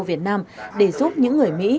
việt nam để giúp những người mỹ